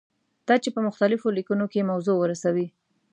دا چې په مختلفو لیکنو کې موضوع ورسوي.